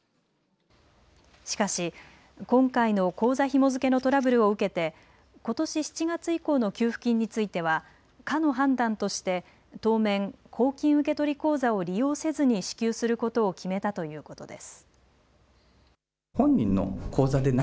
しかし、今回の口座ひも付けのトラブルを受けてことし７月以降の給付金については課の判断として当面公金受取口座を利用せずに支給することを決めたということです。